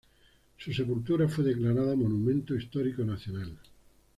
Su sepultura fue declarada Monumento Histórico Nacional.